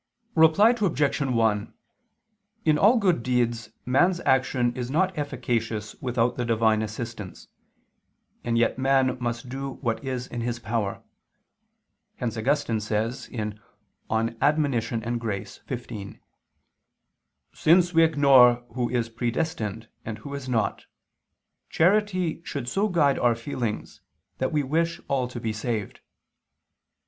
Reply Obj. 1: In all good deeds man's action is not efficacious without the Divine assistance: and yet man must do what is in his power. Hence Augustine says (De Correp. et Gratia xv): "Since we ignore who is predestined and who is not, charity should so guide our feelings, that we wish all to be saved."